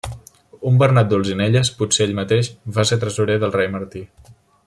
Un Bernat d'Olzinelles, potser ell mateix, va ser tresorer del rei Martí.